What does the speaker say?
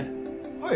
はい。